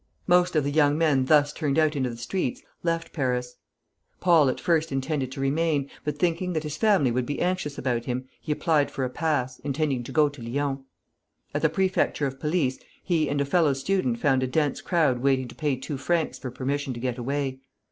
Most of the young men thus turned out into the streets left Paris. Paul at first intended to remain; but thinking that his family would be anxious about him, he applied for a pass, intending to go to Lyons. At the prefecture of police he and a fellow student found a dense crowd waiting to pay two francs for permission to get away.